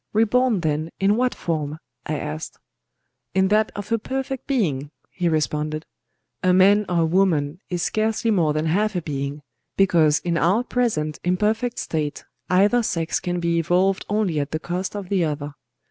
"Reborn, then, in what form?" I asked. "In that of a perfect being," he responded. "A man or a woman is scarcely more than half a being,—because in our present imperfect state either sex can be evolved only at the cost of the other.